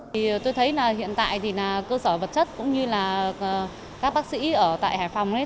thì tôi thấy là hiện tại thì là cơ sở vật chất cũng như là các bác sĩ ở tại hải phòng ấy